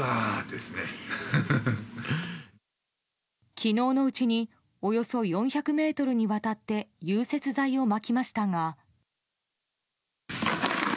昨日のうちにおよそ４００ｍにわたって融雪剤をまきましたが。